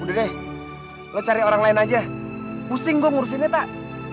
udah deh lo cari orang lain aja pusing gue ngurusinnya tak